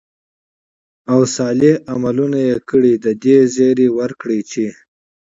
او صالح عملونه ئې كړي، د دې زېرى وركړه چې: